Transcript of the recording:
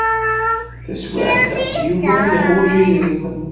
Taswiɛt-a, Yuba ur yeḥwaj idrimen.